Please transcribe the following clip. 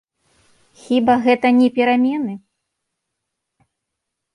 Хіба гэта не перамены?